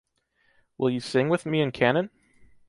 Will you sing with me in canon?